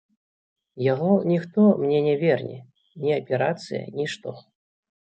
Яго ніхто мне не верне, ні аперацыя, нішто.